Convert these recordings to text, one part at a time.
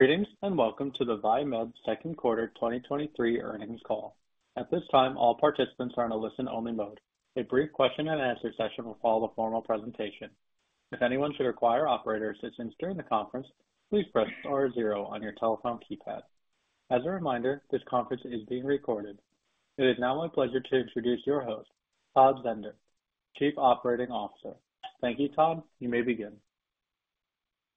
Greetings, and welcome to the VieMed Second Quarter 2023 earnings call. At this time, all participants are in a listen-only mode. A brief question and answer session will follow the formal presentation. If anyone should require operator assistance during the conference, please press star zero on your telephone keypad. As a reminder, this conference is being recorded. It is now my pleasure to introduce your host, Todd Zehnder, Chief Operating Officer. Thank you, Todd. You may begin.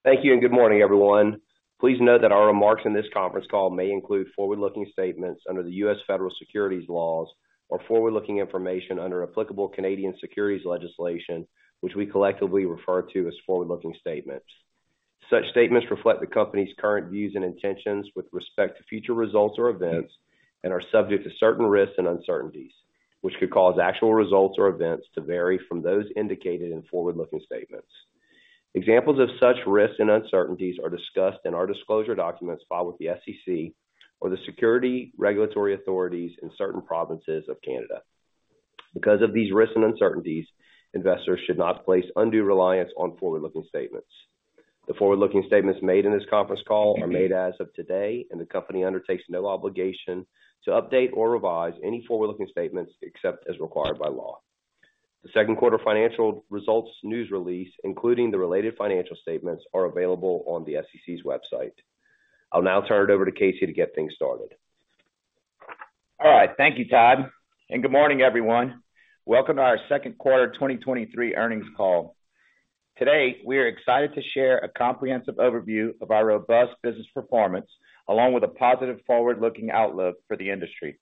Thank you, good morning, everyone. Please note that our remarks in this conference call may include forward-looking statements under the U.S. federal securities laws or forward-looking information under applicable Canadian securities legislation, which we collectively refer to as forward-looking statements. Such statements reflect the company's current views and intentions with respect to future results or events are subject to certain risks and uncertainties, which could cause actual results or events to vary from those indicated in forward-looking statements. Examples of such risks and uncertainties are discussed in our disclosure documents filed with the SEC or the security regulatory authorities in certain provinces of Canada. Because of these risks and uncertainties, investors should not place undue reliance on forward-looking statements. The forward-looking statements made in this conference call are made as of today, the company undertakes no obligation to update or revise any forward-looking statements except as required by law. The second quarter financial results news release, including the related financial statements, are available on the SEC's website. I'll now turn it over to Casey to get things started. All right. Thank you, Todd. Good morning, everyone. Welcome to our Second Quarter 2023 earnings call. Today, we are excited to share a comprehensive overview of our robust business performance, along with a positive forward-looking outlook for the industry.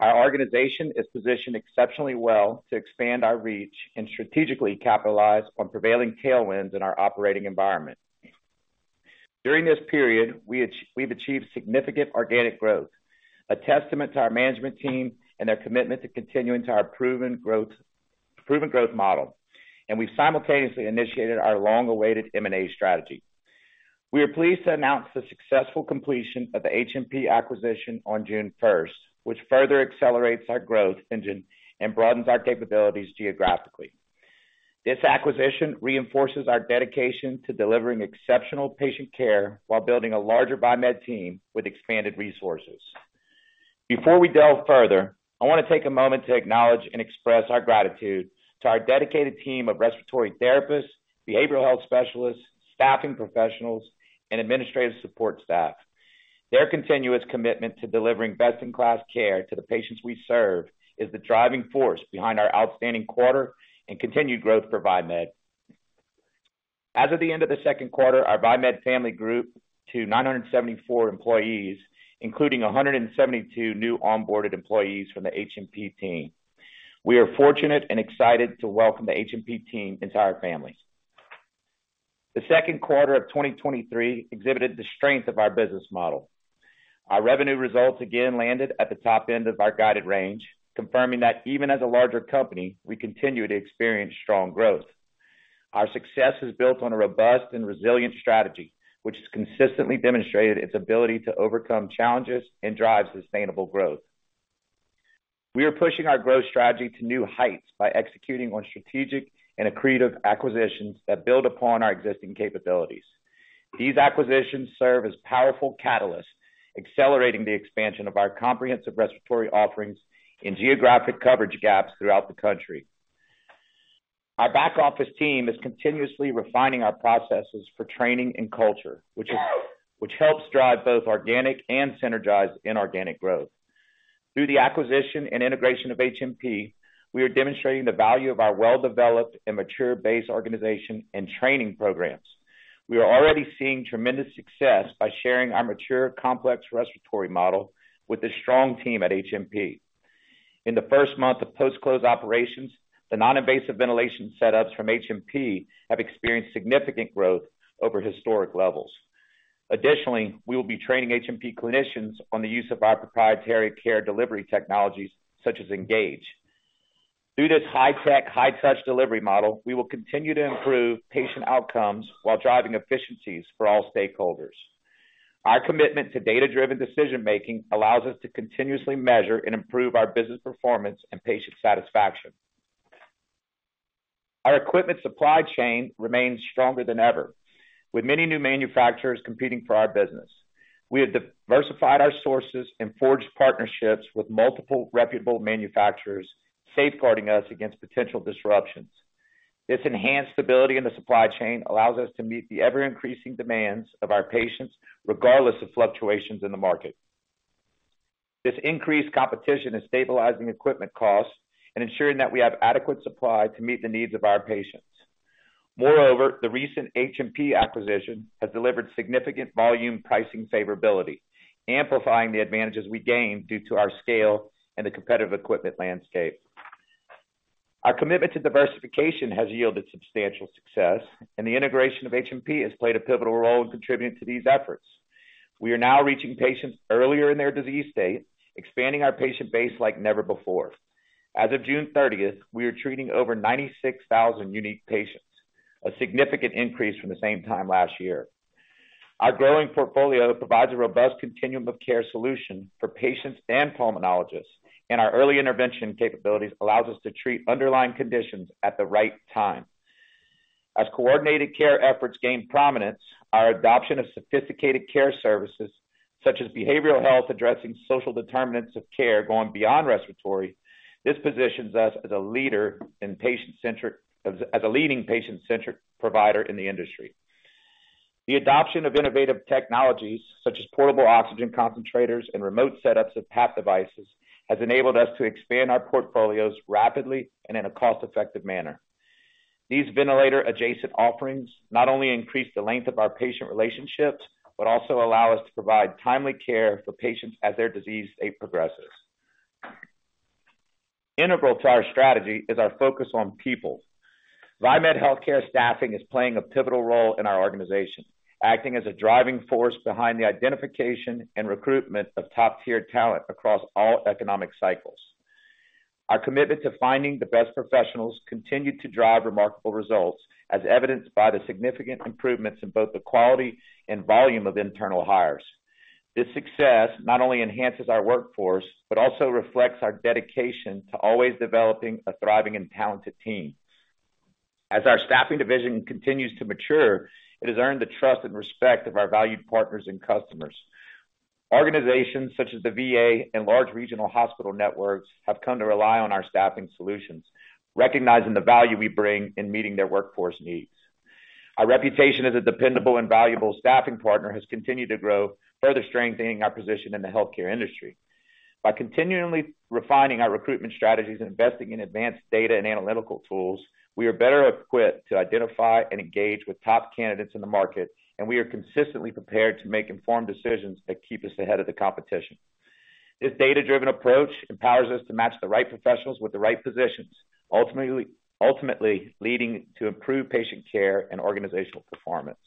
Our organization is positioned exceptionally well to expand our reach and strategically capitalize on prevailing tailwinds in our operating environment. During this period, we've achieved significant organic growth, a testament to our management team and their commitment to continuing to our proven growth, proven growth model. We've simultaneously initiated our long-awaited M&A strategy. We are pleased to announce the successful completion of the HMP acquisition on June first, which further accelerates our growth engine and broadens our capabilities geographically. This acquisition reinforces our dedication to delivering exceptional patient care while building a larger VieMed team with expanded resources. Before we delve further, I wanna take a moment to acknowledge and express our gratitude to our dedicated team of respiratory therapists, behavioral health specialists, staffing professionals, and administrative support staff. Their continuous commitment to delivering best-in-class care to the patients we serve is the driving force behind our outstanding quarter and continued growth for VieMed. As of the end of the second quarter, our VieMed family grew to 974 employees, including 172 new onboarded employees from the HMP team. We are fortunate and excited to welcome the HMP team into our family. The second quarter of 2023 exhibited the strength of our business model. Our revenue results again landed at the top end of our guided range, confirming that even as a larger company, we continue to experience strong growth. Our success is built on a robust and resilient strategy, which has consistently demonstrated its ability to overcome challenges and drive sustainable growth. We are pushing our growth strategy to new heights by executing on strategic and accretive acquisitions that build upon our existing capabilities. These acquisitions serve as powerful catalysts, accelerating the expansion of our comprehensive respiratory offerings in geographic coverage gaps throughout the country. Our back office team is continuously refining our processes for training and culture, which helps drive both organic and synergized inorganic growth. Through the acquisition and integration of HMP, we are demonstrating the value of our well-developed and mature base organization and training programs. We are already seeing tremendous success by sharing our mature, complex respiratory model with the strong team at HMP. In the first month of post-close operations, the non-invasive ventilation setups from HMP have experienced significant growth over historic levels. Additionally, we will be training HMP clinicians on the use of our proprietary care delivery technologies, such as Engage. Through this high-tech, high-touch delivery model, we will continue to improve patient outcomes while driving efficiencies for all stakeholders. Our commitment to data-driven decision-making allows us to continuously measure and improve our business performance and patient satisfaction. Our equipment supply chain remains stronger than ever, with many new manufacturers competing for our business. We have diversified our sources and forged partnerships with multiple reputable manufacturers, safeguarding us against potential disruptions. This enhanced stability in the supply chain allows us to meet the ever-increasing demands of our patients, regardless of fluctuations in the market. This increased competition is stabilizing equipment costs and ensuring that we have adequate supply to meet the needs of our patients. Moreover, the recent HMP acquisition has delivered significant volume pricing favorability, amplifying the advantages we gain due to our scale and the competitive equipment landscape. Our commitment to diversification has yielded substantial success, and the integration of HMP has played a pivotal role in contributing to these efforts. We are now reaching patients earlier in their disease state, expanding our patient base like never before. As of June 30th, we are treating over 96,000 unique patients, a significant increase from the same time last year. Our growing portfolio provides a robust continuum of care solution for patients and pulmonologists, and our early intervention capabilities allows us to treat underlying conditions at the right time. As coordinated care efforts gain prominence, our adoption of sophisticated care services, such as behavioral health, addressing social determinants of health, going beyond respiratory, this positions us as a leading patient-centric provider in the industry. The adoption of innovative technologies, such as portable oxygen concentrators and remote setups of PAP devices, has enabled us to expand our portfolios rapidly and in a cost-effective manner. These ventilator adjacent offerings not only increase the length of our patient relationships, but also allow us to provide timely care for patients as their disease state progresses. Integral to our strategy is our focus on people. VieMed Healthcare Staffing is playing a pivotal role in our organization, acting as a driving force behind the identification and recruitment of top-tier talent across all economic cycles. Our commitment to finding the best professionals continued to drive remarkable results, as evidenced by the significant improvements in both the quality and volume of internal hires. This success not only enhances our workforce, but also reflects our dedication to always developing a thriving and talented team. As our staffing division continues to mature, it has earned the trust and respect of our valued partners and customers. Organizations such as the VA and large regional hospital networks have come to rely on our staffing solutions, recognizing the value we bring in meeting their workforce needs. Our reputation as a dependable and valuable staffing partner has continued to grow, further strengthening our position in the healthcare industry. By continually refining our recruitment strategies and investing in advanced data and analytical tools, we are better equipped to identify and engage with top candidates in the market. We are consistently prepared to make informed decisions that keep us ahead of the competition. This data-driven approach empowers us to match the right professionals with the right positions, ultimately, ultimately leading to improved patient care and organizational performance.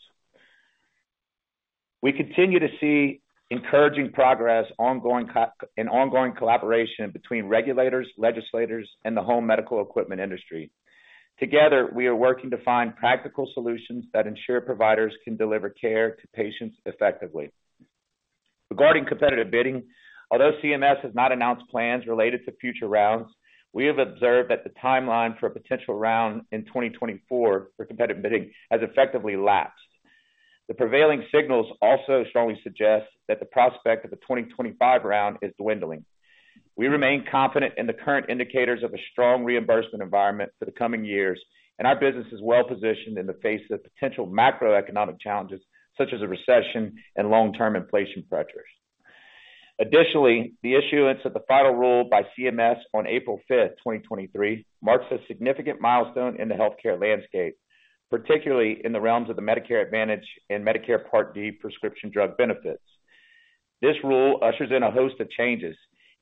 We continue to see encouraging progress, ongoing and ongoing collaboration between regulators, legislators, and the home medical equipment industry. Together, we are working to find practical solutions that ensure providers can deliver care to patients effectively. Regarding competitive bidding, although CMS has not announced plans related to future rounds, we have observed that the timeline for a potential round in 2024 for competitive bidding has effectively lapsed. The prevailing signals also strongly suggest that the prospect of the 2025 round is dwindling. We remain confident in the current indicators of a strong reimbursement environment for the coming years, and our business is well positioned in the face of potential macroeconomic challenges, such as a recession and long-term inflation pressures. Additionally, the issuance of the final rule by CMS on April 5, 2023, marks a significant milestone in the healthcare landscape, particularly in the realms of the Medicare Advantage and Medicare Part D prescription drug benefits. This rule ushers in a host of changes,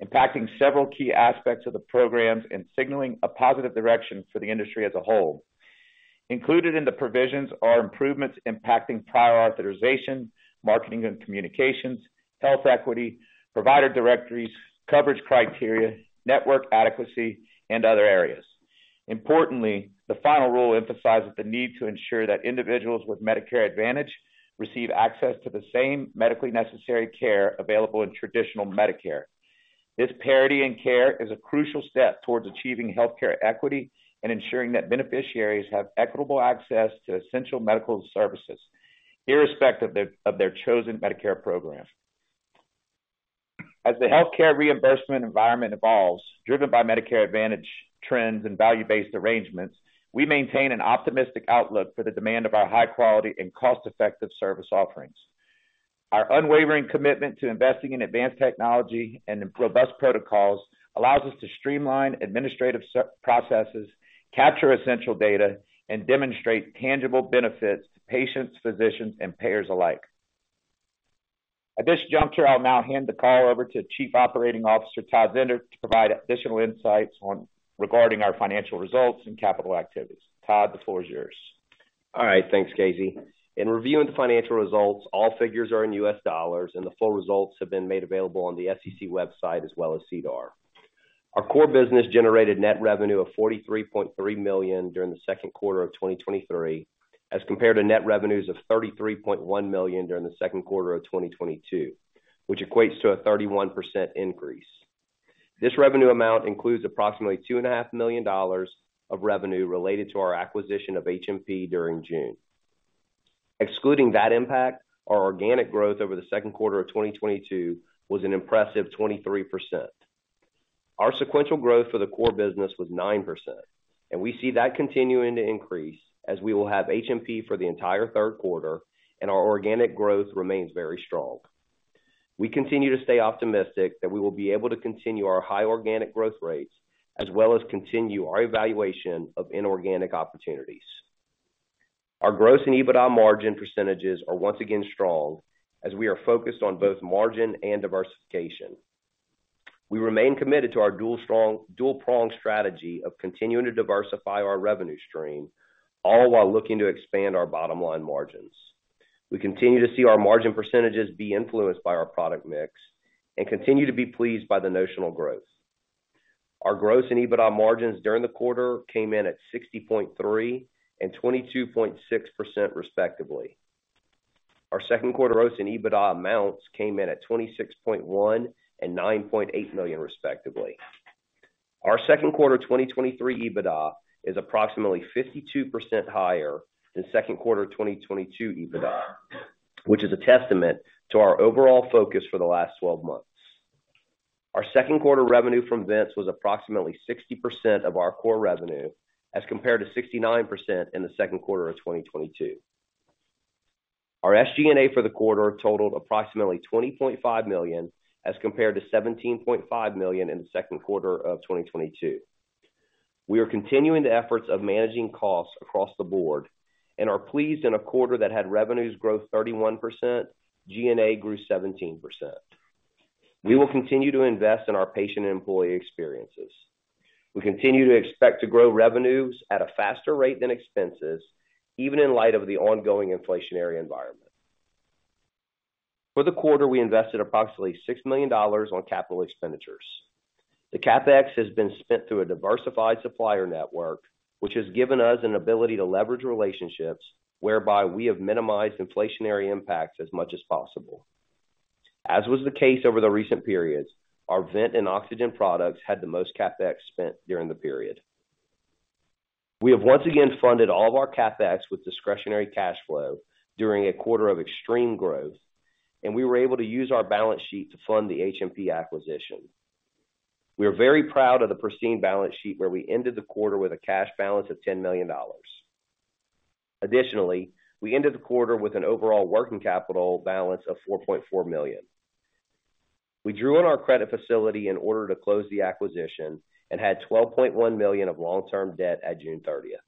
impacting several key aspects of the programs and signaling a positive direction for the industry as a whole. Included in the provisions are improvements impacting prior authorization, marketing and communications, health equity, provider directories, coverage criteria, network adequacy, and other areas. Importantly, the final rule emphasizes the need to ensure that individuals with Medicare Advantage receive access to the same medically necessary care available in traditional Medicare. This parity in care is a crucial step towards achieving healthcare equity and ensuring that beneficiaries have equitable access to essential medical services, irrespective of their chosen Medicare program. As the healthcare reimbursement environment evolves, driven by Medicare Advantage trends and value-based arrangements, we maintain an optimistic outlook for the demand of our high quality and cost-effective service offerings. Our unwavering commitment to investing in advanced technology and in robust protocols allows us to streamline administrative processes, capture essential data, and demonstrate tangible benefits to patients, physicians, and payers alike. At this juncture, I'll now hand the call over to Chief Operating Officer, Todd Zehnder, to provide additional insights on regarding our financial results and capital activities. Todd, the floor is yours. All right, thanks, Casey. In reviewing the financial results, all figures are in U.S. dollars, and the full results have been made available on the SEC website as well as SEDAR. Our core business generated net revenue of $43.3 million during the second quarter of 2023, as compared to net revenues of $33.1 million during the second quarter of 2022, which equates to a 31% increase. This revenue amount includes approximately $2.5 million of revenue related to our acquisition of HMP during June. Excluding that impact, our organic growth over the second quarter of 2022 was an impressive 23%. Our sequential growth for the core business was 9%, and we see that continuing to increase as we will have HMP for the entire third quarter, and our organic growth remains very strong. We continue to stay optimistic that we will be able to continue our high organic growth rates, as well as continue our evaluation of inorganic opportunities. Our gross and EBITDA margin % are once again strong as we are focused on both margin and diversification. We remain committed to our dual prong strategy of continuing to diversify our revenue stream, all while looking to expand our bottom line margins. We continue to see our margin % be influenced by our product mix and continue to be pleased by the notional growth. Our gross and EBITDA margins during the quarter came in at 60.3% and 22.6%, respectively. Our second quarter OS and EBITDA amounts came in at $26.1 million and $9.8 million, respectively. Our second quarter 2023 EBITDA is approximately 52% higher than second quarter 2022 EBITDA, which is a testament to our overall focus for the last 12 months. Our second quarter revenue from vents was approximately 60% of our core revenue, as compared to 69% in the second quarter of 2022. Our SG&A for the quarter totaled approximately $20.5 million, as compared to $17.5 million in the second quarter of 2022. We are continuing the efforts of managing costs across the board and are pleased in a quarter that had revenues grow 31%, G&A grew 17%. We will continue to invest in our patient and employee experiences. We continue to expect to grow revenues at a faster rate than expenses, even in light of the ongoing inflationary environment. For the quarter, we invested approximately $6 million on capital expenditures. The CapEx has been spent through a diversified supplier network, which has given us an ability to leverage relationships whereby we have minimized inflationary impacts as much as possible. As was the case over the recent periods, our vent and oxygen products had the most CapEx spent during the period. We have once again funded all of our CapEx with discretionary cash flow during a quarter of extreme growth, and we were able to use our balance sheet to fund the HMP acquisition. We are very proud of the pristine balance sheet, where we ended the quarter with a cash balance of $10 million. Additionally, we ended the quarter with an overall working capital balance of $4.4 million. We drew on our credit facility in order to close the acquisition and had $12.1 million of long-term debt at June 30th.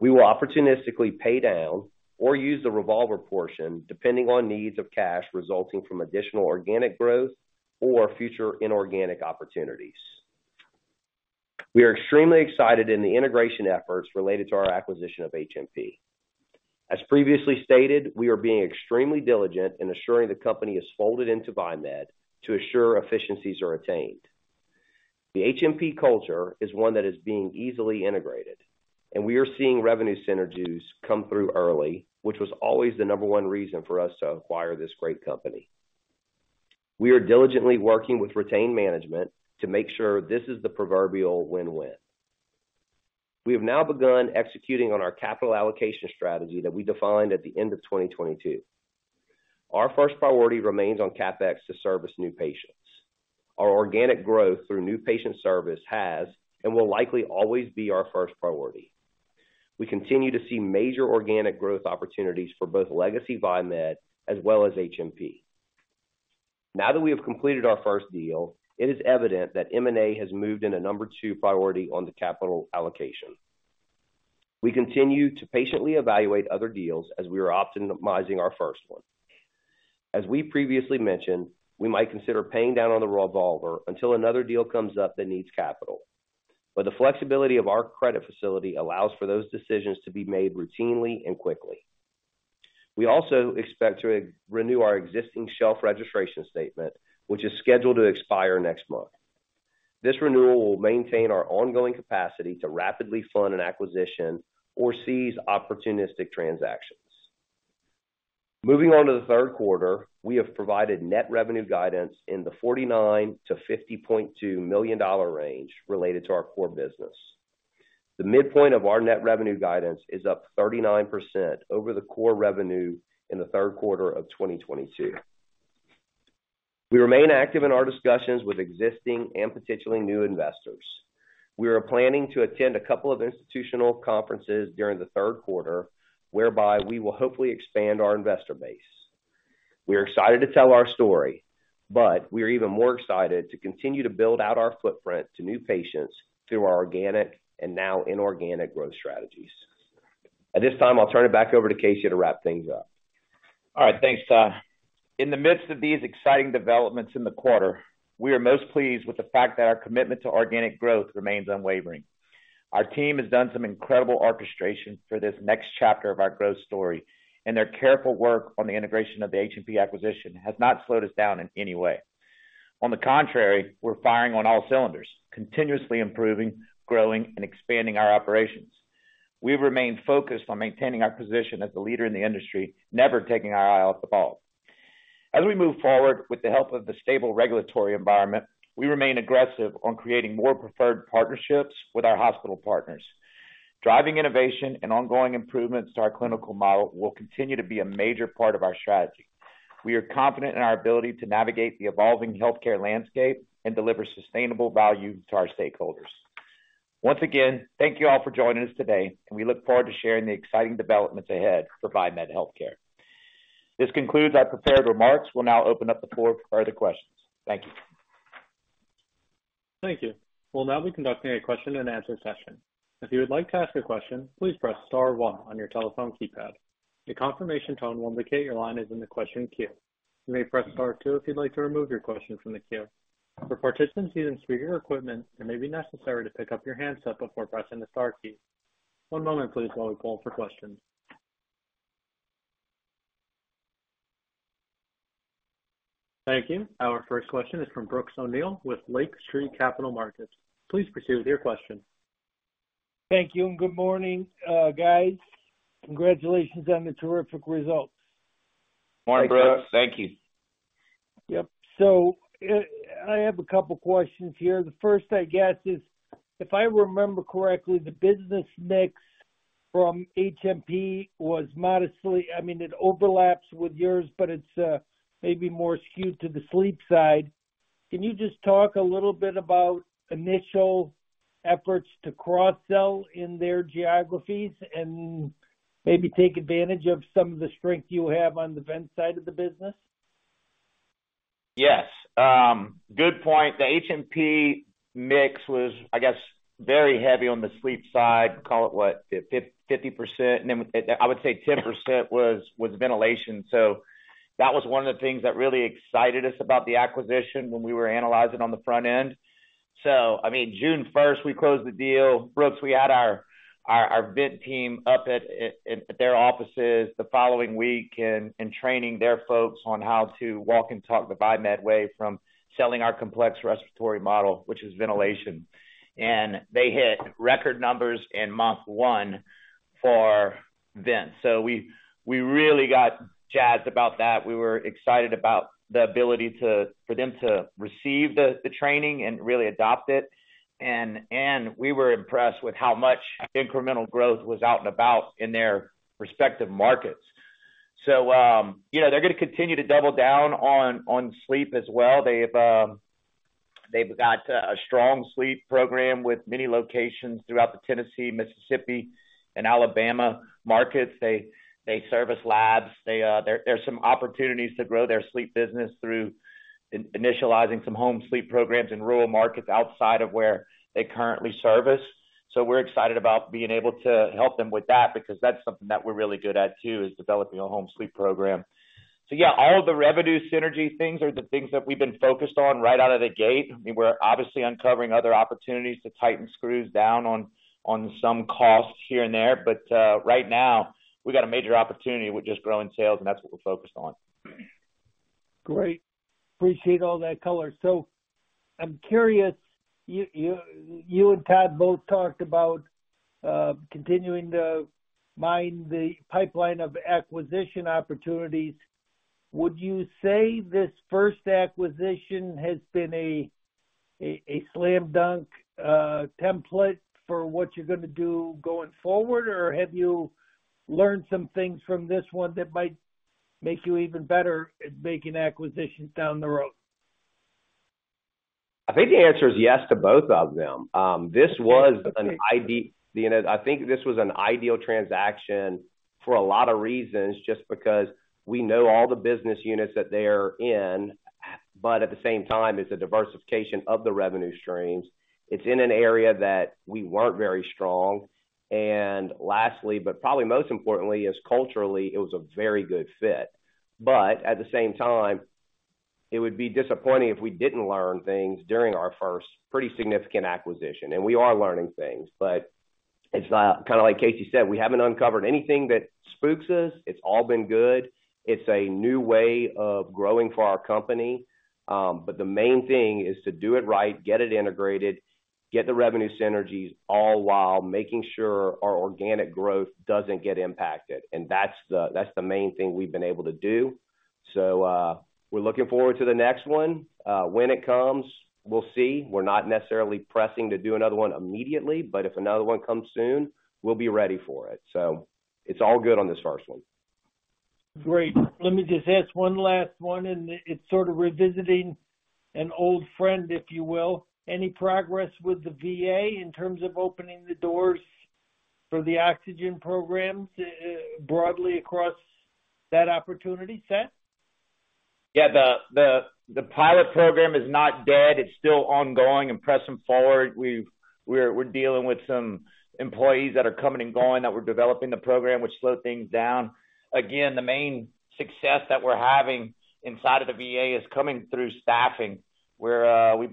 We will opportunistically pay down or use the revolver portion, depending on needs of cash resulting from additional organic growth or future inorganic opportunities. We are extremely excited in the integration efforts related to our acquisition of HMP. As previously stated, we are being extremely diligent in assuring the company is folded into VieMed to assure efficiencies are attained. The HMP culture is one that is being easily integrated, and we are seeing revenue synergies come through early, which was always the number one reason for us to acquire this great company. We are diligently working with retained management to make sure this is the proverbial win-win. We have now begun executing on our capital allocation strategy that we defined at the end of 2022. Our first priority remains on CapEx to service new patients. Our organic growth through new patient service has and will likely always be our first priority. We continue to see major organic growth opportunities for both legacy VieMed as well as HMP. Now that we have completed our first deal, it is evident that M&A has moved in a number 2 priority on the capital allocation. We continue to patiently evaluate other deals as we are optimizing our first one. As we previously mentioned, we might consider paying down on the revolver until another deal comes up that needs capital, the flexibility of our credit facility allows for those decisions to be made routinely and quickly. We also expect to re-renew our existing shelf registration statement, which is scheduled to expire next month. This renewal will maintain our ongoing capacity to rapidly fund an acquisition or seize opportunistic transactions. Moving on to the third quarter, we have provided net revenue guidance in the $49 million-$50.2 million range related to our core business. The midpoint of our net revenue guidance is up 39% over the core revenue in the third quarter of 2022. We remain active in our discussions with existing and potentially new investors. We are planning to attend a couple of institutional conferences during the third quarter, whereby we will hopefully expand our investor base. We are excited to tell our story, we are even more excited to continue to build out our footprint to new patients through our organic and now inorganic growth strategies. At this time, I'll turn it back over to Casey to wrap things up. All right, thanks, Todd. In the midst of these exciting developments in the quarter, we are most pleased with the fact that our commitment to organic growth remains unwavering. Our team has done some incredible orchestration for this next chapter of our growth story. Their careful work on the integration of the HMP acquisition has not slowed us down in any way. On the contrary, we're firing on all cylinders, continuously improving, growing, and expanding our operations. We've remained focused on maintaining our position as a leader in the industry, never taking our eye off the ball. As we move forward with the help of the stable regulatory environment, we remain aggressive on creating more preferred partnerships with our hospital partners. Driving innovation and ongoing improvements to our clinical model will continue to be a major part of our strategy. We are confident in our ability to navigate the evolving healthcare landscape and deliver sustainable value to our stakeholders. Once again, thank you all for joining us today, and we look forward to sharing the exciting developments ahead for VieMed Healthcare. This concludes our prepared remarks. We'll now open up the floor for further questions. Thank you. Thank you. We'll now be conducting a question-and-answer session. If you would like to ask a question, please press star one on your telephone keypad. A confirmation tone will indicate your line is in the question queue. You may press star two if you'd like to remove your question from the queue. For participants using speaker equipment, it may be necessary to pick up your handset before pressing the star key. One moment please while we poll for questions. Thank you. Our first question is from Brooks O'Neil with Lake Street Capital Markets. Please proceed with your question. Thank you. Good morning, guys. Congratulations on the terrific results. Morning, Brooks. Thank you. Yep. I have a couple questions here. The first, I guess, is, if I remember correctly, the business mix from HMP was modestly... I mean, it overlaps with yours, but it's, maybe more skewed to the sleep side. Can you just talk a little bit about initial efforts to cross-sell in their geographies and maybe take advantage of some of the strength you have on the vent side of the business? Yes, good point. The HMP mix was, I guess, very heavy on the sleep side. Call it, what, 50%, and then I would say 10% was, was ventilation. That was one of the things that really excited us about the acquisition when we were analyzing on the front end. I mean, June 1st, we closed the deal. Brooks, we had our, our, our vent team up at their offices the following week, and training their folks on how to walk and talk the VieMed way from selling our complex respiratory model, which is ventilation. They hit record numbers in month one for vent. We, we really got jazzed about that. We were excited about the ability for them to receive the, the training and really adopt it. We were impressed with how much incremental growth was out and about in their respective markets. You know, they're going to continue to double down on sleep as well. They've got a strong sleep program with many locations throughout the Tennessee, Mississippi, and Alabama markets. They service labs. They, there are some opportunities to grow their sleep business through initializing some home sleep programs in rural markets outside of where they currently service. We're excited about being able to help them with that because that's something that we're really good at, too, is developing a home sleep program. Yeah, all the revenue synergy things are the things that we've been focused on right out of the gate. We were obviously uncovering other opportunities to tighten screws down on, on some costs here and there, but right now, we got a major opportunity with just growing sales, and that's what we're focused on. Great. Appreciate all that color. I'm curious, you and Todd both talked about continuing to mine the pipeline of acquisition opportunities. Would you say this first acquisition has been a slam dunk template for what you're going to do going forward? Or have you learned some things from this one that might make you even better at making acquisitions down the road? I think the answer is yes to both of them. You know, I think this was an ideal transaction for a lot of reasons, just because we know all the business units that they're in, but at the same time, it's a diversification of the revenue streams. It's in an area that we weren't very strong. Lastly, but probably most importantly, is culturally, it was a very good fit. At the same time, it would be disappointing if we didn't learn things during our first pretty significant acquisition, and we are learning things. It's kind of like Casey said, we haven't uncovered anything that spooks us. It's all been good. It's a new way of growing for our company, but the main thing is to do it right, get it integrated, get the revenue synergies, all while making sure our organic growth doesn't get impacted, and that's the, that's the main thing we've been able to do. We're looking forward to the next one. When it comes, we'll see. We're not necessarily pressing to do another one immediately, but if another one comes soon, we'll be ready for it. It's all good on this first one. Great. Let me just ask one last one, and it's sort of revisiting an old friend, if you will. Any progress with the VA in terms of opening the doors for the oxygen programs, broadly across that opportunity, Sey? Yeah, the, the, the pilot program is not dead. It's still ongoing and pressing forward. We're dealing with some employees that are coming and going, that were developing the program, which slowed things down. Again, the main success that we're having inside of the VA is coming through staffing, where, you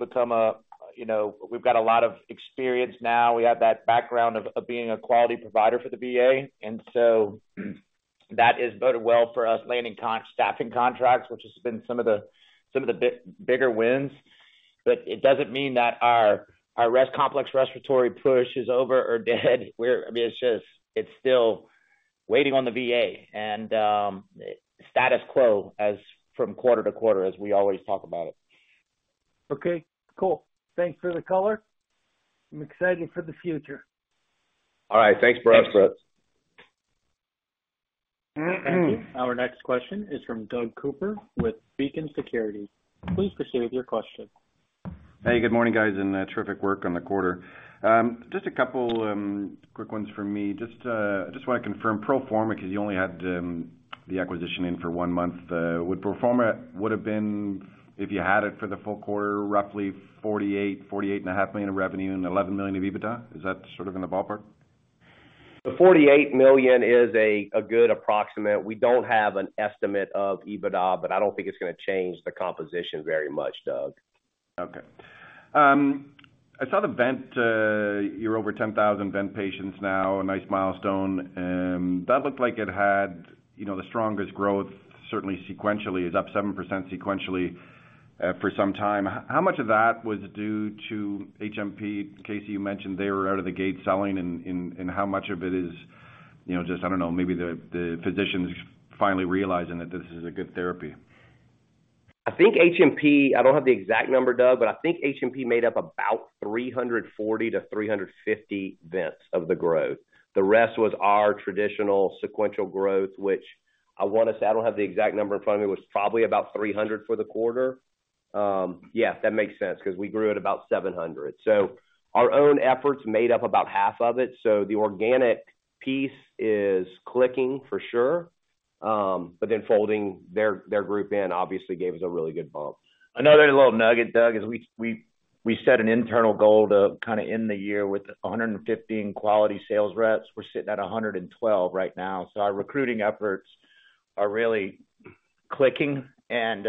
know, we've got a lot of experience now. We have that background of, of being a quality provider for the VA, and so that has boded well for us, landing staffing contracts, which has been some of the, some of the bigger wins. It doesn't mean that our, our complex respiratory push is over or dead. I mean, it's just, it's still waiting on the VA and, status quo as from quarter to quarter, as we always talk about it. Okay, cool. Thanks for the color. I'm excited for the future. All right. Thanks, Brooks. Thank you. Our next question is from Doug Cooper with Beacon Securities. Please proceed with your question. Hey, good morning, guys, and terrific work on the quarter. Just a couple quick ones for me. Just, I just want to confirm pro forma, because you only had the acquisition in for 1 month. Would pro forma would have been, if you had it for the full quarter, roughly $48, $48.5 million of revenue and $11 million of EBITDA? Is that sort of in the ballpark? The $48 million is a good approximate. I don't think it's going to change the composition very much, Doug. Okay. I saw the vent, you're over 10,000 vent patients now, a nice milestone. And that looked like it had, you know, the strongest growth, certainly sequentially. It's up 7% sequentially, for some time. How much of that was due to HMP? Casey, you mentioned they were out of the gate selling, and, and, and how much of it is, you know, just, I don't know, maybe the, the physicians finally realizing that this is a good therapy? I think HMP, I don't have the exact number, Doug, I think HMP made up about 340-350 vents of the growth. The rest was our traditional sequential growth, which I want to say, I don't have the exact number in front of me. It was probably about 300 for the quarter. Yeah, that makes sense, because we grew at about 700. Our own efforts made up about half of it, so the organic piece is clicking for sure. Then folding their, their group in, obviously, gave us a really good bump. Another little nugget, Doug, is we, we, we set an internal goal to kind of end the year with 115 quality sales reps. We're sitting at 112 right now. Our recruiting efforts are really clicking, and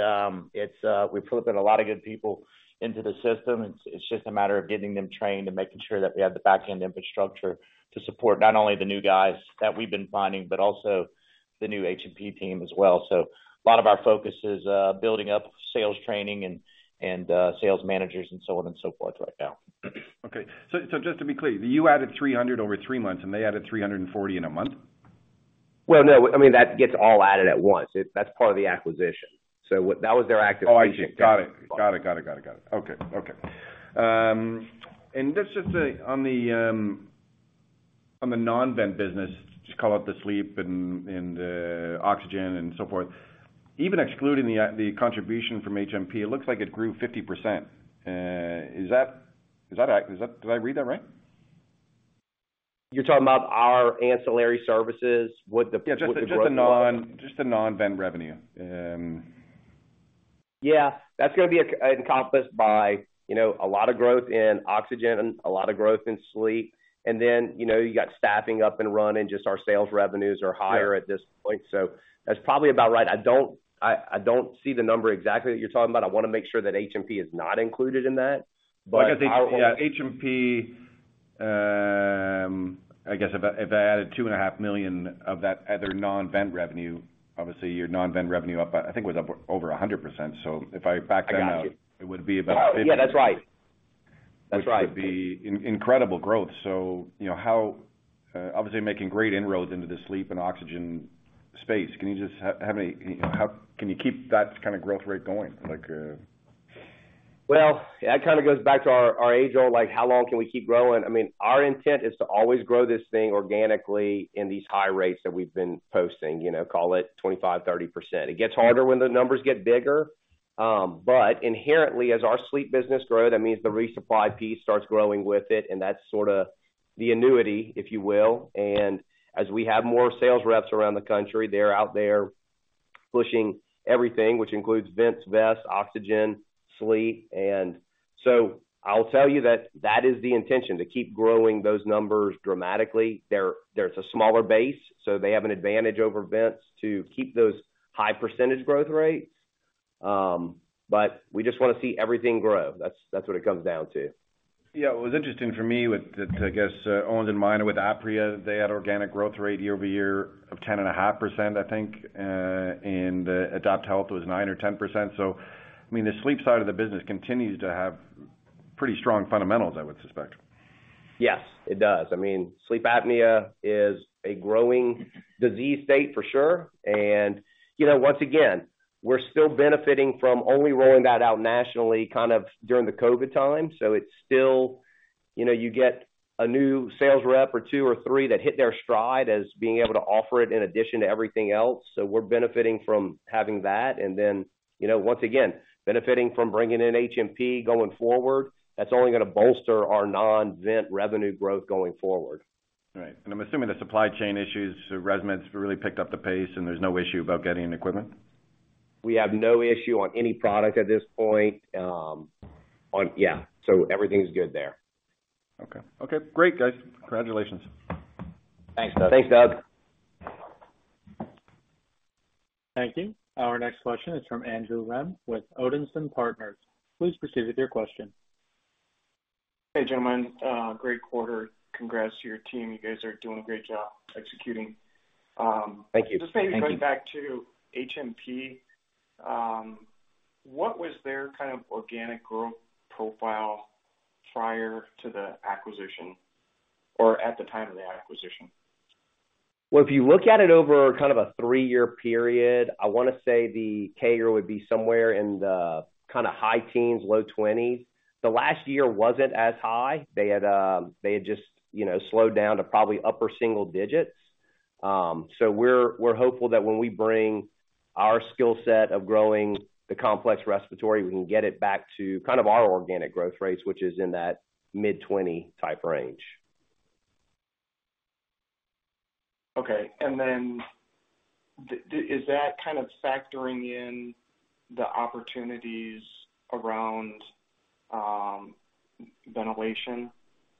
we put a lot of good people into the system. It's just a matter of getting them trained and making sure that we have the back-end infrastructure to support not only the new guys that we've been finding, but also the new HMP team as well. A lot of our focus is building up sales training and sales managers and so on and so forth right now. Okay. So just to be clear, you added 300 over 3 months, and they added 340 in a month? Well, no, I mean, that gets all added at once. That's part of the acquisition. That was their acquisition. Oh, I see. Got it. Got it, got it, got it, got it. Okay. Okay. Just, on the, on the non-vent business, just call it the sleep and, and, oxygen and so forth. Even excluding the contribution from HMP, it looks like it grew 50%. Is that, is that accurate? Did I read that right? You're talking about our ancillary services with. Yeah, just the, just the non, just the non-vent revenue. Yeah, that's going to be encompassed by, you know, a lot of growth in oxygen and a lot of growth in sleep. Then, you know, you got staffing up and running, just our sales revenues are higher. Yeah At this point. That's probably about right. I don't, I, I don't see the number exactly that you're talking about. I want to make sure that HMP is not included in that, but our- I think, yeah, HMP, I guess if I, if I added $2.5 million of that at their non-vent revenue, obviously, your non-vent revenue I think it was up over 100%. If I back that out. I got you. it would be about 50. Oh, yeah, that's right. That's right. Which would be incredible growth. You know, how... Obviously making great inroads into the sleep and oxygen space. Can you just how many, how can you keep that kind of growth rate going? Like? Well, that kind of goes back to our, our age-old, like, how long can we keep growing? I mean, our intent is to always grow this thing organically in these high rates that we've been posting, you know, call it 25%, 30%. It gets harder when the numbers get bigger, but inherently, as our sleep business grow, that means the resupply piece starts growing with it, and that's sort of the annuity, if you will. As we have more sales reps around the country, they're out there pushing everything, which includes vents, vests, oxygen, sleep. I'll tell you that that is the intention, to keep growing those numbers dramatically. There's a smaller base, so they have an advantage over vents to keep those high percentage growth rates. But we just want to see everything grow. That's, that's what it comes down to. Yeah, it was interesting for me with the, I guess, Owens & Minor with Apria. They had organic growth rate year-over-year of 10.5%, I think. AdaptHealth was 9% or 10%. I mean, the sleep side of the business continues to have pretty strong fundamentals, I would suspect. Yes, it does. I mean, sleep apnea is a growing disease state for sure. You know, once again, we're still benefiting from only rolling that out nationally, kind of during the COVID time. It's still. You know, you get a new sales rep or two or three that hit their stride as being able to offer it in addition to everything else. We're benefiting from having that, and then, you know, once again, benefiting from bringing in HMP going forward, that's only going to bolster our non-vent revenue growth going forward. Right. I'm assuming the supply chain issues, ResMed's really picked up the pace, and there's no issue about getting the equipment? We have no issue on any product at this point. Yeah, everything's good there. Okay. Okay, great, guys. Congratulations. Thanks, Doug. Thanks, Doug. Thank you. Our next question is from Andrew Rem with Odinson Partners. Please proceed with your question. Hey, gentlemen, great quarter. Congrats to your team. You guys are doing a great job executing. Thank you. Just maybe going back to HMP, what was their kind of organic growth profile prior to the acquisition or at the time of the acquisition? Well, if you look at it over kind of a three-year period, I want to say the CAGR would be somewhere in the kind of high teens, low 20s. The last year wasn't as high. They had, they had just, you know, slowed down to probably upper single digits. We're, we're hopeful that when we bring our skill set of growing the complex respiratory, we can get it back to kind of our organic growth rates, which is in that mid-20 type range. Okay. Then is that kind of factoring in the opportunities around ventilation?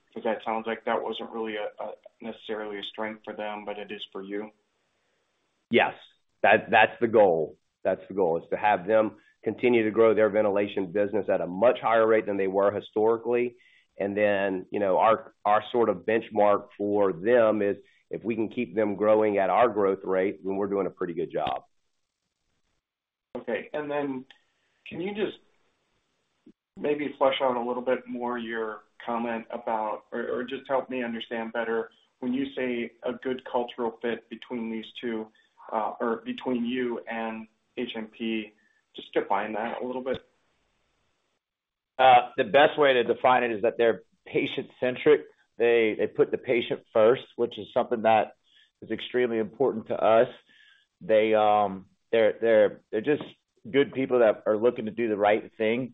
Because that sounds like that wasn't really a, a, necessarily a strength for them, but it is for you.... Yes, that, that's the goal. That's the goal, is to have them continue to grow their ventilation business at a much higher rate than they were historically. You know, our, our sort of benchmark for them is, if we can keep them growing at our growth rate, then we're doing a pretty good job. Okay. Can you just maybe flesh out a little bit more your comment about, or, or just help me understand better, when you say a good cultural fit between these two, or between you and HMP, just define that a little bit. The best way to define it is that they're patient-centric. They, they put the patient first, which is something that is extremely important to us. They, they're, they're, they're just good people that are looking to do the right thing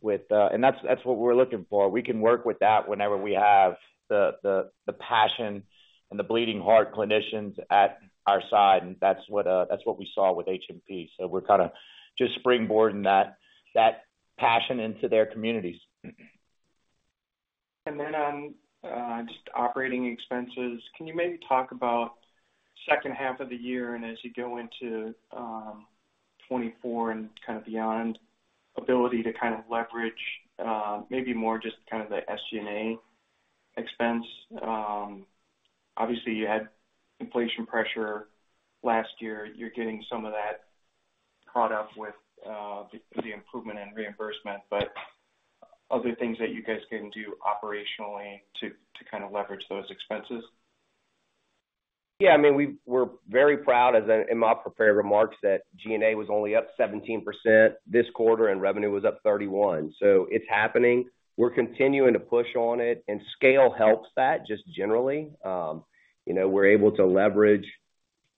with, and that's, that's what we're looking for. We can work with that whenever we have the, the, the passion and the bleeding heart clinicians at our side, and that's what, that's what we saw with HMP. We're kind of just springboarding that, that passion into their communities. Then on, just operating expenses, can you maybe talk about second half of the year, and as you go into, 2024 and kind of beyond, ability to kind of leverage, maybe more just kind of the SG&A expense? Obviously, you had inflation pressure last year. You're getting some of that caught up with, the, the improvement in reimbursement, but are there things that you guys can do operationally to, to kind of leverage those expenses? Yeah, I mean, we're very proud, as in, in my prepared remarks, that G&A was only up 17% this quarter and revenue was up 31%. It's happening. We're continuing to push on it, and scale helps that, just generally. You know, we're able to leverage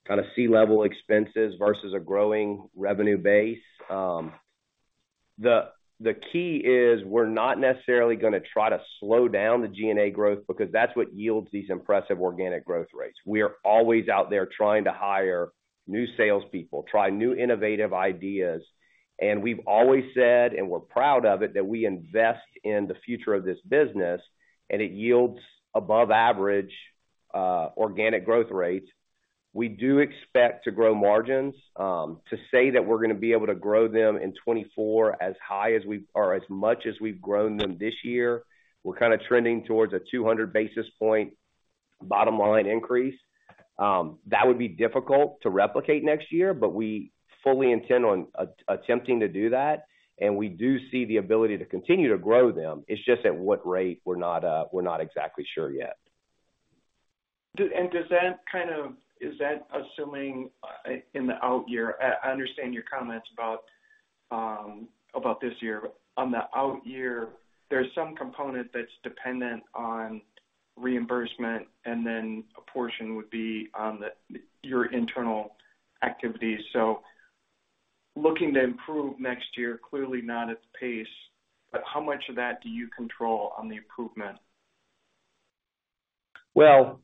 kind of C-level expenses versus a growing revenue base. The, the key is, we're not necessarily going to try to slow down the G&A growth, because that's what yields these impressive organic growth rates. We are always out there trying to hire new salespeople, try new innovative ideas, and we've always said, and we're proud of it, that we invest in the future of this business, and it yields above average, organic growth rates. We do expect to grow margins. To say that we're going to be able to grow them in 2024, as high as we or as much as we've grown them this year, we're kind of trending towards a 200 basis point bottom line increase. That would be difficult to replicate next year, but we fully intend on attempting to do that, and we do see the ability to continue to grow them. It's just at what rate, we're not, we're not exactly sure yet. Does that kind of assuming in the out year? I, I understand your comments about about this year. On the out year, there's some component that's dependent on reimbursement, and then a portion would be on your internal activities. Looking to improve next year, clearly not at the pace, but how much of that do you control on the improvement? Well,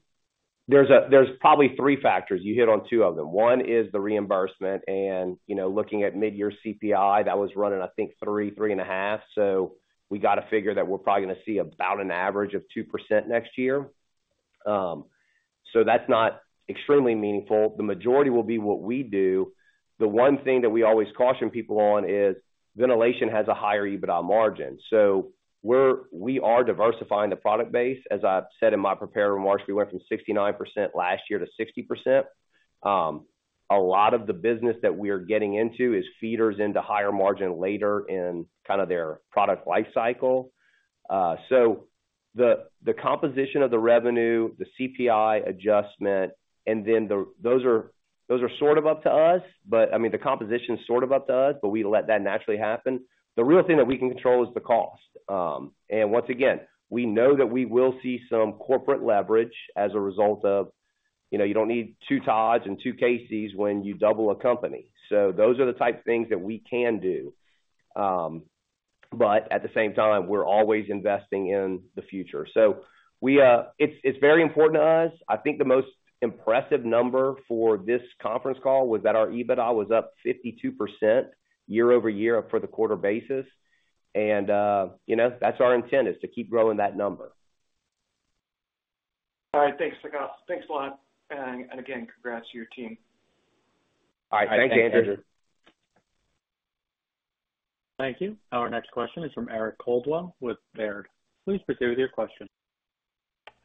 there's probably three factors. You hit on two of them. One is the reimbursement, and, you know, looking at mid-year CPI, that was running, I think, 3, 3.5. We got to figure that we're probably going to see about an average of 2% next year. That's not extremely meaningful. The majority will be what we do. The one thing that we always caution people on is, ventilation has a higher EBITDA margin. We are diversifying the product base. As I've said in my prepared remarks, we went from 69% last year to 60%. A lot of the business that we are getting into is feeders into higher margin later in kind of their product life cycle. The, the composition of the revenue, the CPI adjustment, and then the, those are, those are sort of up to us, but I mean, the composition is sort of up to us, but we let that naturally happen. The real thing that we can control is the cost. Once again, we know that we will see some corporate leverage as a result of, you know, you don't need two Todds and two Caseys when you double a company. Those are the type of things that we can do. At the same time, we're always investing in the future. We, it's, it's very important to us. I think the most impressive number for this conference call was that our EBITDA was up 52% year-over-year for the quarter basis. You know, that's our intent, is to keep growing that number. All right. Thanks, Todd. Thanks a lot. And again, congrats to your team. All right. Thank you, Andrew. Thank you. Our next question is from Eric Coldwell with Baird. Please proceed with your question.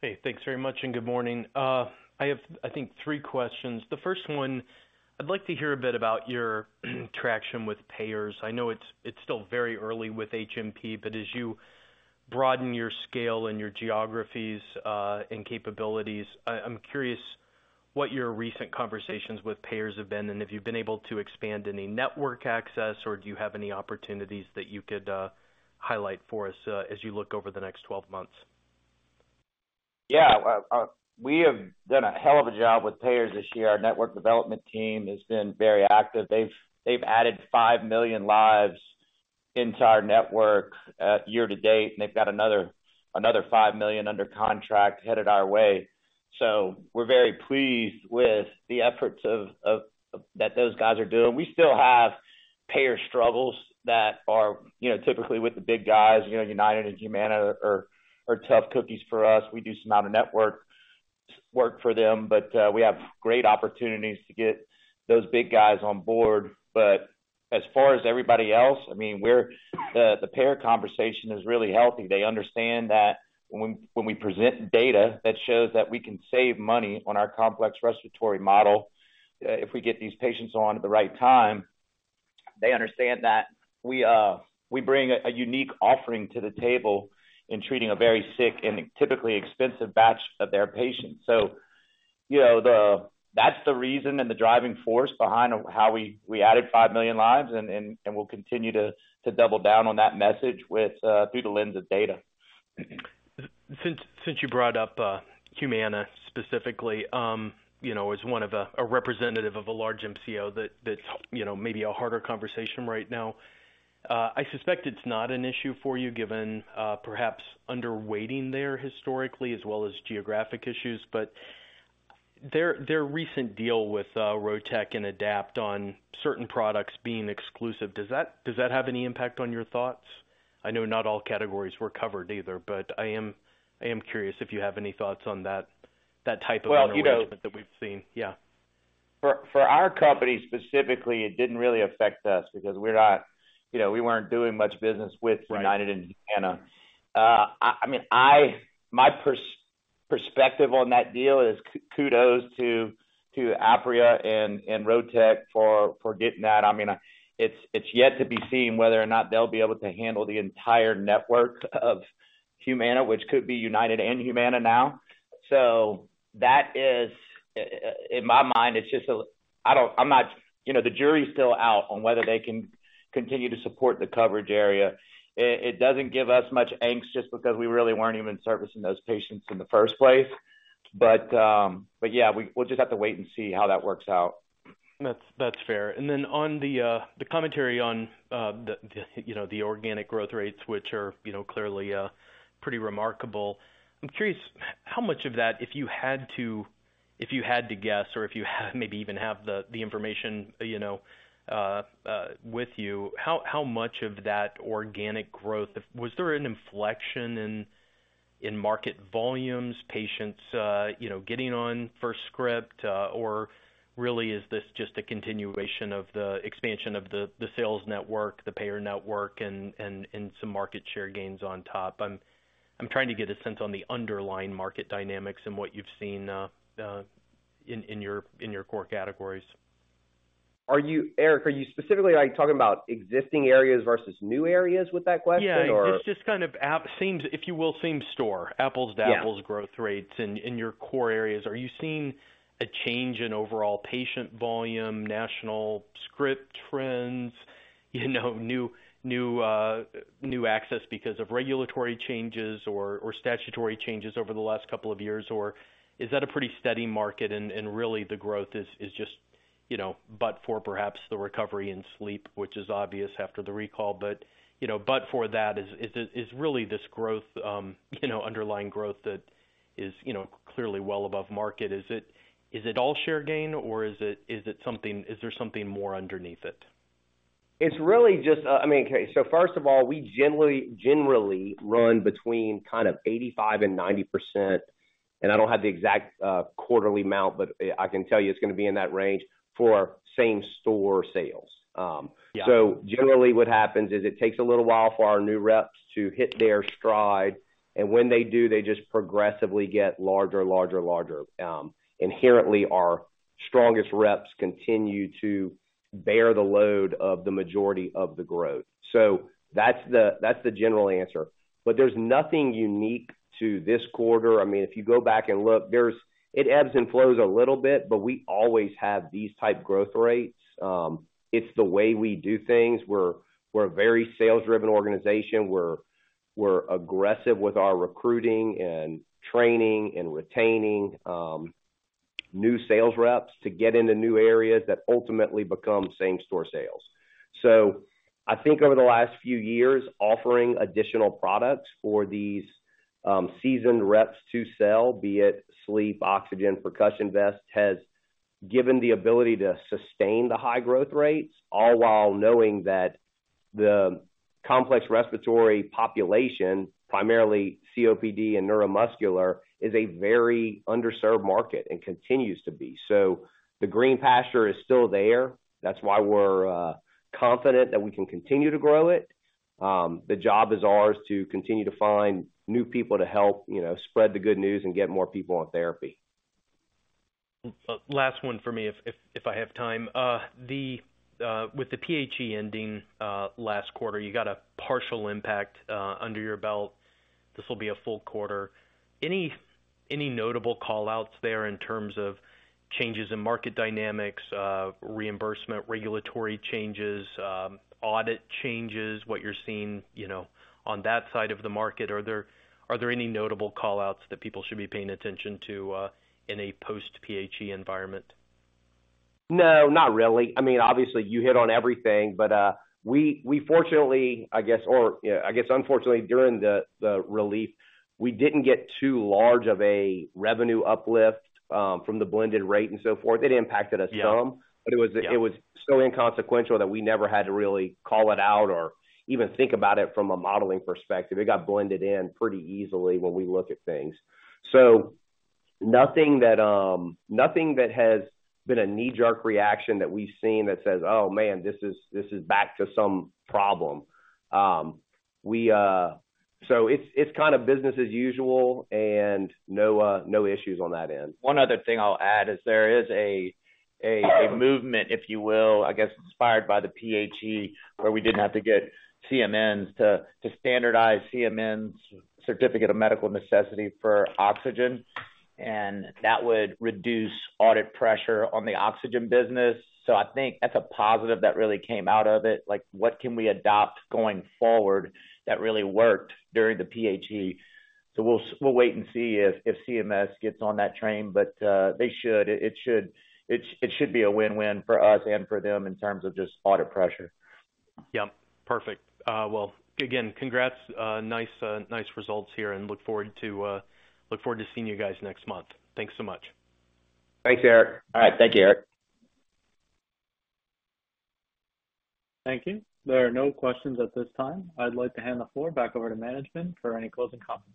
Hey, thanks very much, and good morning. I have, I think, three questions. The first one, I'd like to hear a bit about your traction with payers. I know it's, it's still very early with HMP, but as you broaden your scale and your geographies, and capabilities, I, I'm curious what your recent conversations with payers have been, and if you've been able to expand any network access, or do you have any opportunities that you could highlight for us, as you look over the next 12 months? Yeah. We have done a hell of a job with payers this year. Our network development team has been very active. They've, they've added 5 million lives into our network year to date, and they've got another, another 5 million under contract headed our way. We're very pleased with the efforts of those guys are doing. We still have payer struggles that are, you know, typically with the big guys, you know, UnitedHealthcare and Humana are, are tough cookies for us. We do some out-of-network work for them, we have great opportunities to get those big guys on board. As far as everybody else, I mean, we're- the, the payer conversation is really healthy. They understand that when, when we present data that shows that we can save money on our complex respiratory model, if we get these patients on at the right time, they understand that we, we bring a, a unique offering to the table in treating a very sick and typically expensive batch of their patients. You know, that's the reason and the driving force behind how we, we added 5 million lives, and we'll continue to, to double down on that message with through the lens of data. Since, since you brought up Humana specifically, you know, as one of a, a representative of a large MCO that, that's, you know, maybe a harder conversation right now. I suspect it's not an issue for you, given perhaps underweighting there historically, as well as geographic issues. Their, their recent deal with Rotech and AdaptHealth on certain products being exclusive, does that, does that have any impact on your thoughts? I know not all categories were covered either, but I am, I am curious if you have any thoughts on that, that type of arrangement that we've seen. Yeah. For, for our company specifically, it didn't really affect us because we're not, you know, we weren't doing much business with UnitedHealthcare and Humana. I, I mean, my perspective on that deal is kudos to, to Apria and, and Rotech for, for getting that. I mean, it's, it's yet to be seen whether or not they'll be able to handle the entire network of Humana, which could be UnitedHealthcare and Humana now. That is, in my mind, it's just a... you know, the jury's still out on whether they can continue to support the coverage area. It, it doesn't give us much angst just because we really weren't even servicing those patients in the first place. But yeah, we'll just have to wait and see how that works out. That's, that's fair. And then on the, the commentary on, the, the, you know, the organic growth rates, which are, you know, clearly, pretty remarkable, I'm curious, how much of that, if you had to, if you had to guess or if you maybe even have the information, you know, with you, how much of that organic growth... Was there an inflection in market volumes, patients, you know, getting on for script? Or really, is this just a continuation of the expansion of the, the sales network, the payer network, and, and, and some market share gains on top? I'm, I'm trying to get a sense on the underlying market dynamics and what you've seen, in, in your, in your core categories. Are you, Eric, are you specifically, like, talking about existing areas versus new areas with that question or? Yeah, it's just kind of seems, if you will, same store, apples to apples. Yeah... growth rates in, in your core areas. Are you seeing a change in overall patient volume, national script trends, you know, new, new, new access because of regulatory changes or, or statutory changes over the last couple of years? Is that a pretty steady market and, and really the growth is, is just, you know, but for perhaps the recovery in sleep, which is obvious after the recall. You know, but for that, is, is, is really this growth, you know, underlying growth that is, you know, clearly well above market, is it, is it all share gain, or is it, is it something- is there something more underneath it? It's really just, I mean, okay, first of all, we generally, generally run between kind of 85% and 90%. I don't have the exact, quarterly amount, but, I can tell you it's gonna be in that range for same store sales. Yeah. Generally, what happens is it takes a little while for our new reps to hit their stride, and when they do, they just progressively get larger, larger, larger. Inherently, our strongest reps continue to bear the load of the majority of the growth. That's the, that's the general answer. There's nothing unique to this quarter. I mean, if you go back and look, it ebbs and flows a little bit, but we always have these type growth rates. It's the way we do things. We're, we're a very sales-driven organization. We're, we're aggressive with our recruiting and training and retaining new sales reps to get into new areas that ultimately become same-store sales. I think over the last few years, offering additional products for these seasoned reps to sell, be it sleep, oxygen, percussion vest, has given the ability to sustain the high growth rates, all while knowing that the complex respiratory population, primarily COPD and neuromuscular, is a very underserved market and continues to be. The green pasture is still there. That's why we're confident that we can continue to grow it. The job is ours to continue to find new people to help, you know, spread the good news and get more people on therapy. Last one for me, if, if, if I have time. The with the PHE ending, last quarter, you got a partial impact under your belt. This will be a full quarter. Any, any notable call-outs there in terms of changes in market dynamics, reimbursement, regulatory changes, audit changes, what you're seeing, you know, on that side of the market? Are there, are there any notable call-outs that people should be paying attention to in a post-PHE environment? No, not really. I mean, obviously, you hit on everything, but, we, we fortunately, I guess, or, yeah, I guess unfortunately, during the, the relief, we didn't get too large of a revenue uplift, from the blended rate and so forth. It impacted us some. Yeah it was- Yeah... it was so inconsequential that we never had to really call it out or even think about it from a modeling perspective. It got blended in pretty easily when we look at things. Nothing that, nothing that has been a knee-jerk reaction that we've seen that says, "Oh, man, this is, this is back to some problem." It's, it's kind of business as usual and no, no issues on that end. One other thing I'll add is there is a movement, if you will, I guess, inspired by the PHE, where we didn't have to get CMNs to standardize CMNs, Certificate of Medical Necessity for oxygen, and that would reduce audit pressure on the oxygen business. I think that's a positive that really came out of it, like, what can we adopt going forward that really worked during the PHE? We'll, we'll wait and see if, if CMS gets on that train, but they should. It should be a win-win for us and for them in terms of just audit pressure. Yep, perfect. Well, again, congrats. Nice, nice results here, and look forward to, look forward to seeing you guys next month. Thanks so much. Thanks, Eric. All right. Thank you, Eric. Thank you. There are no questions at this time. I'd like to hand the floor back over to management for any closing comments.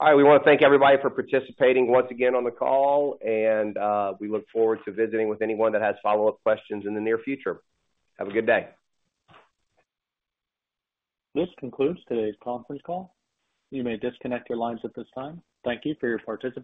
All right. We want to thank everybody for participating once again on the call, and we look forward to visiting with anyone that has follow-up questions in the near future. Have a good day. This concludes today's conference call. You may disconnect your lines at this time. Thank you for your participation.